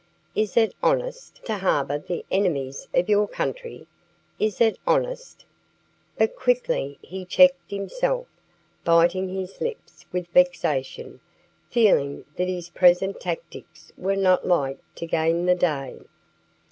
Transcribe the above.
"Is it honest to harbour the enemies of your country? Is it honest " But quickly he checked himself, biting his lips with vexation, feeling that his present tactics were not like to gain the day.